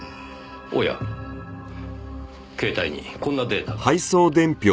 おや携帯にこんなデータが。